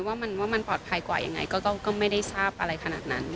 ว่ามันปลอดภัยกว่ายังไงก็ไม่ได้ทราบอะไรขนาดนั้น